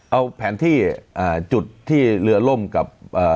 เอาแผนที่จุดที่เรือล่มกับ